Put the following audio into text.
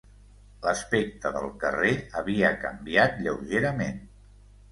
L'aspecte del carrer havia canviat lleugerament.